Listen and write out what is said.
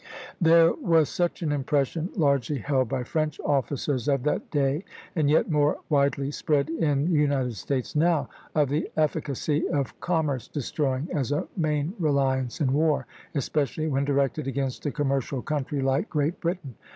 There was such an impression largely held by French officers of that day, and yet more widely spread in the United States now, of the efficacy of commerce destroying as a main reliance in war, especially when directed against a commercial country like Great Britain.